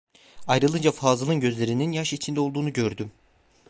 Ayrılınca Fazıl'ın gözlerinin yaş içinde olduğunu gördüm.